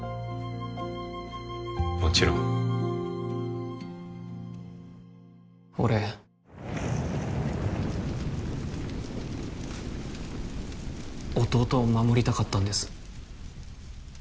もちろん俺弟を守りたかったんです